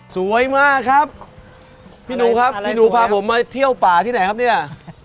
สวยมากครับพี่หนูครับพี่หนูพาผมมาเที่ยวป่าที่ไหนครับเนี่ย